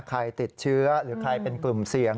ใครติดเชื้อหรือใครเป็นกลุ่มเสี่ยง